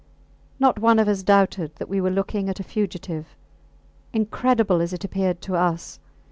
Not one of us doubted that we were looking at a fugitive, incredible as it appeared to us.